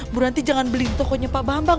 bu ranti jangan beli tokonya pak bambang